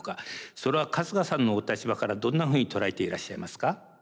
それは春日さんのお立場からどんなふうに捉えていらっしゃいますか？